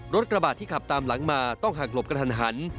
กระบาดที่ขับตามหลังมาต้องหักหลบกระทันหัน